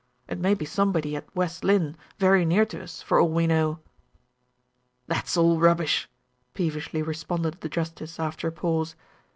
It may be somebody at West Lynne, very near to us, for all we know." "That's all rubbish!" peevishly responded the justice, after a pause.